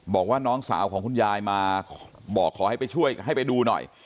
บอกว่าน้องสาวของคุณยายมาบอกขอให้ไปช่วยให้ไปดูหน่อย